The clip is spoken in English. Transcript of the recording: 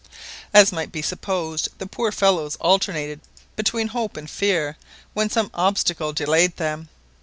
As might be supposed the poor fellows alternated between hope and fear when some obstacle delayed them.